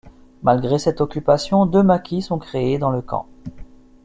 Malgré cette occupation, deux maquis sont créés dans le camp.